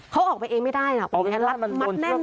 เขาออกไปเองไม่ได้นะรัดแน่น